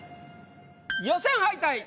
予選敗退